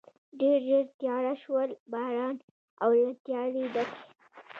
ډېر ژر تېاره شول، باران او له تیارې ډکې.